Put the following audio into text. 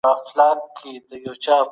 حق مخکي لا د باطل ريښې غوڅې کړي وې.